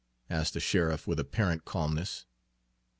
asked the sheriff with apparent calmness.